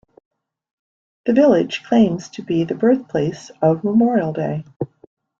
The village claims to be the birthplace of Memorial Day.